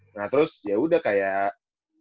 nah terus ya udah kayak